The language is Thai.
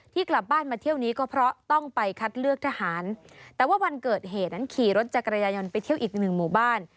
ที่กลับบ้านมาเที่ยวนี้ก็เพราะต้องไปคัดเลือกทหารแต่ว่าวันเกิดเหตุนั้นขี่รถจักรยายนต์ไปเที่ยวอีกหนึ่งหมู่บ้าน